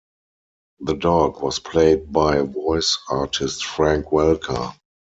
The dog was played by voice artist Frank Welker.